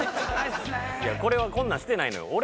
「いやこれはこんなんしてないのよ」